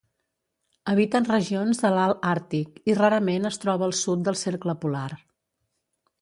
Habita en regions de l'alt àrtic, i rarament es troba al sud del Cercle Polar.